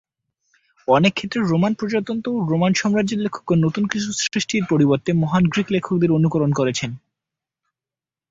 অনেক ক্ষেত্রে রোমান প্রজাতন্ত্র ও রোমান সাম্রাজ্যের লেখকগণ নতুন কিছু সৃষ্টির পরিবর্তে মহান গ্রিক লেখকদের অনুকরণ করেছেন।